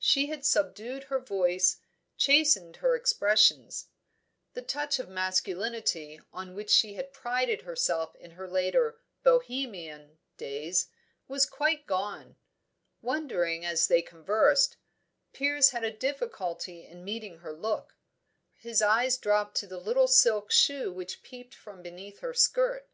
She had subdued her voice, chastened her expressions. The touch of masculinity on which she had prided herself in her later "Bohemian" days, was quite gone. Wondering as they conversed, Piers had a difficulty in meeting her look; his eyes dropped to the little silk shoe which peeped from beneath her skirt.